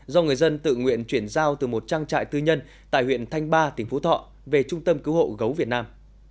do người dân tự nguyện chuyển giao từ một trang trại tư nhân tại huyện thanh ba tỉnh phú thọ về trung tâm cứu hộ gấu việt nam